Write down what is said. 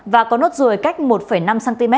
và có nốt ruồi cách một năm cm